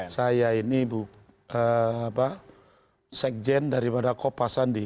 saya ini sekjen daripada kopasandi